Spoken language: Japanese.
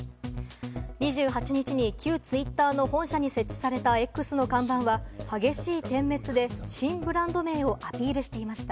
２８日に旧ツイッターの本社に設置された「Ｘ」の看板は激しい点滅で新ブランド名をアピールしていました。